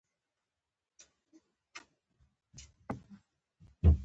د سهار لمونځ وروسته به ویده شو.